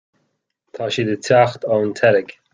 tá siad ag teacht ón tseilg